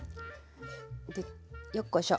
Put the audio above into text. でよっこいしょ。